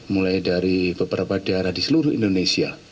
mulai dari beberapa daerah di seluruh indonesia